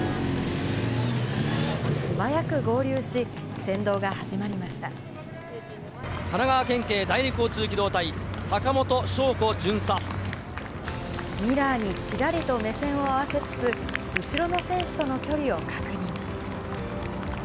素早く合流し、神奈川県警第二交通機動隊、ミラーにちらりと目線を合わせつつ、後ろの選手との距離を確認。